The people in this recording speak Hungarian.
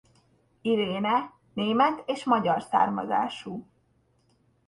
Irene német és magyar származású.